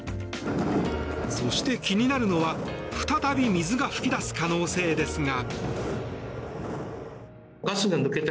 そして気になるのは再び水が噴き出す可能性ですが。